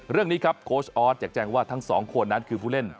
เรื่องนี้ครับโค้ชออสอยากแจ้งว่าทั้งสองคนนั้นคือผู้เล่น